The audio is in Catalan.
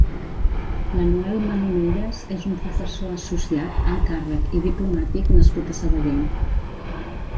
Manuel Manonelles és un professor associat, alt càrrec i diplomàtic nascut a Sabadell.